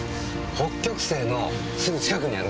北極星のすぐ近くにあるんですよ。